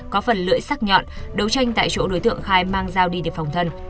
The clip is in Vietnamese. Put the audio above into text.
có phần lưỡi sắc nhọn đấu tranh tại chỗ đối tượng khai mang dao đi để phòng thân